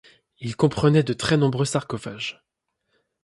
Ils comprenaient de très nombreux sarcophages.